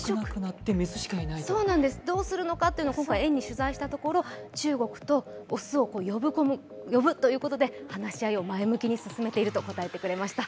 どうするのかというのは今回園に取材したところ中国と雄を呼ぶということで話し合いを前向きにしているということでした。